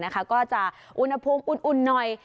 ก็จะอุณหภูมิอุ่นหน่อย